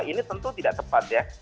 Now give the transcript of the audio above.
ini tentu tidak tepat ya